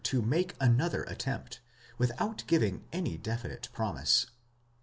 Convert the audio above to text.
to make another attempt, without giving any definite promise.